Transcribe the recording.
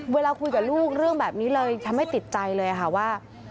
เวลาคุยกับลูกเรื่องแบบนี้เลยทำให้ติดใจเลยค่ะว่า